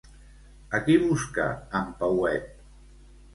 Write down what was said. A qui busca en Pauet?